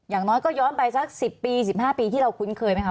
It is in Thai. อย่างน้อยก็ย้อนไปสัก๑๐ปี๑๕ปีที่เราคุ้นเคยไหมค